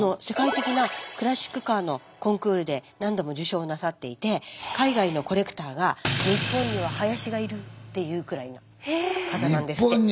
世界的なクラシックカーのコンクールで何度も受賞なさっていて海外のコレクターが「日本には林がいる」って言うくらいの方なんですって。